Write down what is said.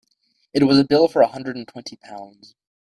It was a bill for a hundred and twenty pounds.